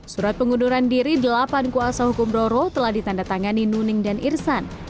surat pengunduran diri delapan kuasa hukum roro telah ditanda tangani nuning dan irsan